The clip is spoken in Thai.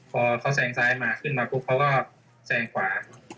พอเขาแซงซ้ายมาขึ้นมาปุ๊บเขาก็แซงขวา